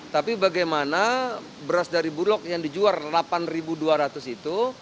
tapi bagaimana beras dari bulog yang dijual rp delapan dua ratus itu